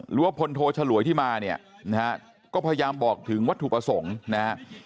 หรือว่าพลโทฉลวยที่มาเนี่ยนะฮะก็พยายามบอกถึงวัตถุประสงค์นะฮะ